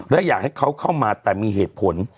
และอยากให้เขาเข้ามาแต่มีเหตุผล